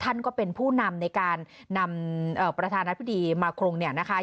ท่านก็เป็นผู้นำในการนำประธานาธิบดีมาครงเนี่ยนะคะ